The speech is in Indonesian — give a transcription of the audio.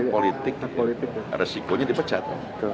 di hak politik resikonya dipecat